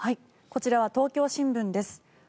こちらは東京新聞です。